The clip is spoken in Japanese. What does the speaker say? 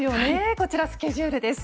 こちらスケジュールです。